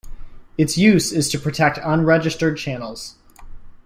Its use is to protect unregistered channels.